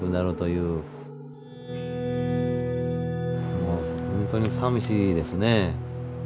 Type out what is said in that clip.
もうほんとにさみしいですね。